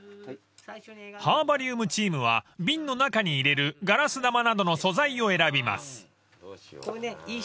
［ハーバリウムチームは瓶の中に入れるガラス玉などの素材を選びます］